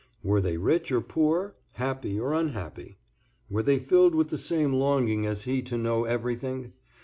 Were they rich or poor, happy or unhappy? Were they filled with the same longing as he to know everything?